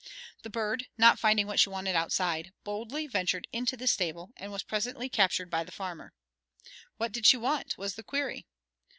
The bird, not finding what she wanted outside, boldly ventured into the stable, and was presently captured by the farmer. What did she want? was the query.